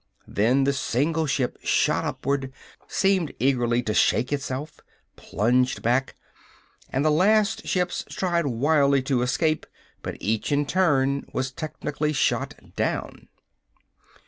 Then the single ship shot upward, seemed eagerly to shake itself, plunged back and the last ships tried wildly to escape, but each in turn was technically shot down.